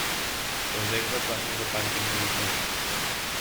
Reserva places de pàrquing per Internet.